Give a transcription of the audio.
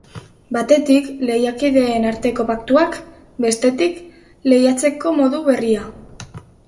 Batetik, lehiakideen arteko paktuak, bestetik, lehiatzeko modu berria.